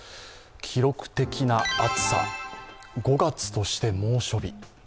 記録的な暑さ、５月として猛暑日。